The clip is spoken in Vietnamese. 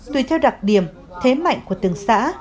tùy theo đặc điểm thế mạnh của từng xã